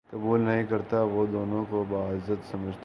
قبول نہیں کرتا وہ دونوں کو باعزت سمجھتا ہے